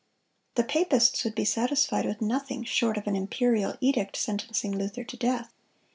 The papists would be satisfied with nothing short of an imperial edict sentencing Luther to death.